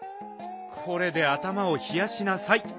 これであたまをひやしなさい。